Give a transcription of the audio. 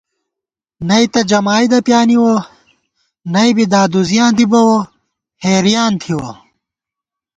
نئ تہ جمائید پیانِوَہ نہ بی دادُزِیاں دی بَوَہ حېریان تھِوَہ